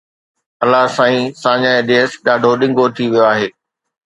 الله سائين ساڃاهہ ڏيس ڏاڍو ڊنگو ٿي ويو آهي